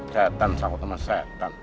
setan takut sama setan